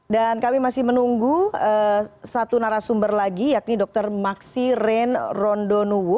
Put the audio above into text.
dan kami masih menunggu satu narasumber lagi yakni dr maksi ren rondonuwu